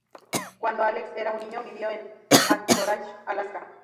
Cuando Alex era un niño, vivió en Anchorage, Alaska.